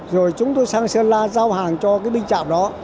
rồi chúng tôi sang sơn la giao hàng cho cái binh trạm đó